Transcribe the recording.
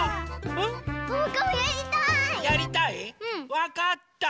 わかった！